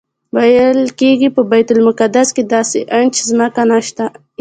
ویل کېږي په بیت المقدس کې داسې انچ ځمکه نشته.